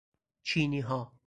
چینیها